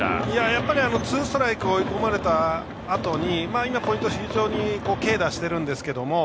やっぱりツーストライクに追い込まれたあと、今は非常に軽打しているんですけど。